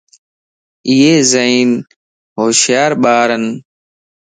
ايي ذھين / ھوشيار ٻارن